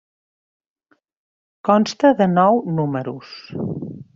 Consta de nou números.